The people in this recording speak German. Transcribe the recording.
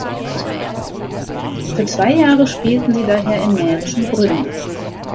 Für zwei Jahre spielten sie daher im mährischen Brünn.